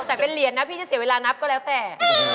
แต่เป็นเหรียญนะพี่จะเสียเวลานับก็แล้วแต่